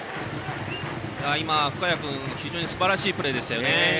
今、深谷君非常にすばらしいプレーでしたね。